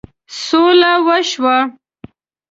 سوله وشوه.